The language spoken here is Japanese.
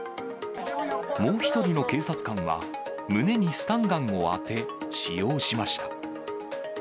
もう１人の警察官は、胸にスタンガンを当て、使用しました。